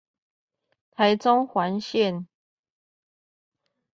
台中環線